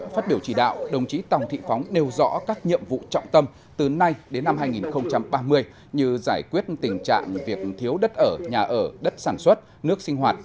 phát biểu chỉ đạo đồng chí tòng thị phóng nêu rõ các nhiệm vụ trọng tâm từ nay đến năm hai nghìn ba mươi như giải quyết tình trạng việc thiếu đất ở nhà ở đất sản xuất nước sinh hoạt